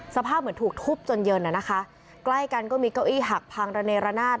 สภาพเหมือนถูกทุบจนเย็นอ่ะนะคะใกล้กันก็มีเก้าอี้หักพังระเนรนาศ